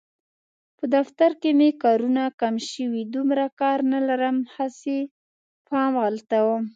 په دفتر کې مې کارونه کم شوي، دومره کار نه لرم هسې پام غلطوم.